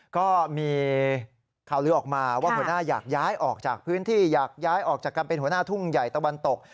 ก็มีข่าวลือออกมาว่าหัวหน้าอยากย้ายออกจากพื้นที่อยากย้ายออกจากการเป็นหัวหน้าทุ่งใหญ่ตะวันตก